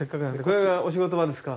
これがお仕事場ですか。